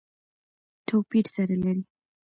توپیر سره لري.